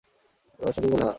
রমেশ সংক্ষেপে কহিল, হাঁ।